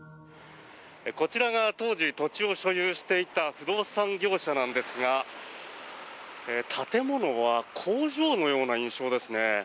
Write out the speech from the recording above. こちらが当時、土地を所有していた不動産業者なんですが建物は工場のような印象ですね。